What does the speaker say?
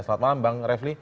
selamat malam bang revli